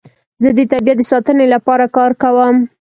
زه د طبیعت د ساتنې لپاره کار کوم.